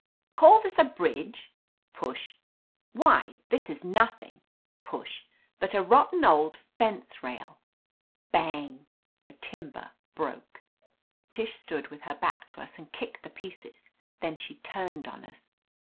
"Call this a bridge ?"— push— "Why, this is nothing" — push — "but a rotten old fence rail !"— ^bang! — ^the timber broke. Tish stood with her back to us and kicked the pieces ; then she turned on us.